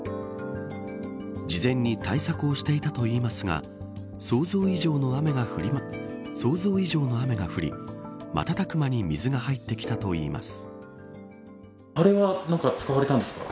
事前に対策をしていたといいますが想像以上の雨が降り瞬く間に水が入ってきたといいます。